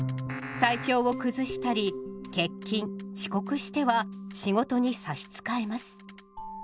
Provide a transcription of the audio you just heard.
体調を崩したり欠勤遅刻しては仕事に差し支えます。